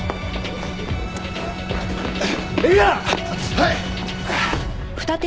はい！